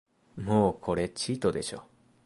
もうこれチートでしょ